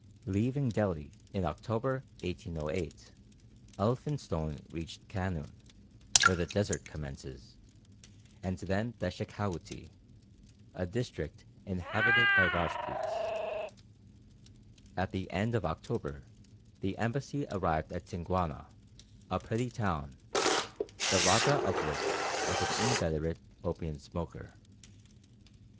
Leaving Delhi in October, 1808, Elphinstone reached Kanun, where the desert commences, and then the Shekhawuttée, a district inhabited by Rajpoots. At the end of October the embassy arrived at Singuana, a pretty town, the rajah of which was an inveterate opium smoker.